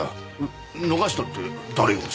逃したって誰をですか？